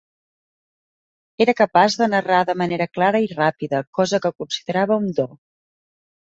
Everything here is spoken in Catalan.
Era capaç de narrar de manera clara i ràpida, cosa que considerava un do.